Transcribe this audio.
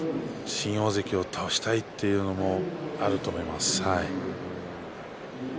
新大関を倒したいというのもあると思います。